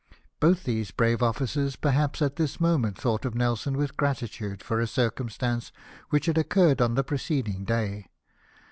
" Both these brave officers, perhaps, at this moment thought of Nelson with gratitude, for a circumstance which had occurred on the preceding day.